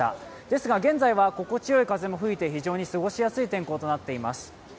ですが現在は心地よい風も吹いて、非常に過ごしやすい天候となっています。